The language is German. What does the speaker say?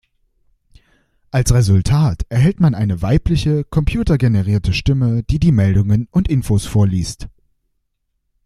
Als Resultat erhält man eine weibliche computergenerierte Stimme, die die Meldungen und Infos vorliest.